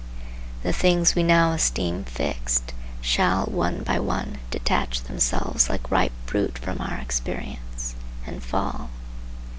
The things we now esteem fixed shall, one by one, detach themselves like ripe fruit from our experience, and fall.